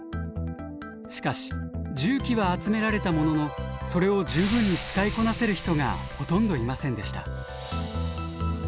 しかし重機は集められたもののそれを十分に使いこなせる人がほとんどいませんでした。